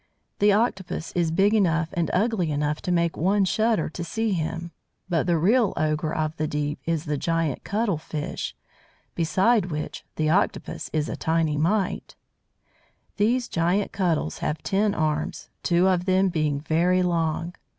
The Octopus is big enough and ugly enough to make one shudder to see him, but the real ogre of the deep is the Giant Cuttle fish, beside which the Octopus is a tiny mite. These Giant Cuttles have ten arms, two of them being very long.